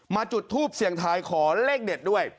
จุดทูปเสี่ยงทายขอเลขเด็ดด้วย